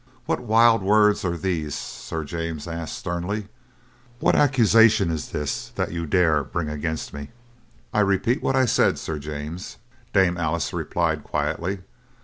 "What wild words are these?" Sir James asked sternly. "What accusation is this that you dare to bring against me?" "I repeat what I said, Sir James," Dame Alice replied quietly.